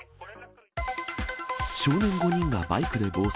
少年５人がバイクで暴走。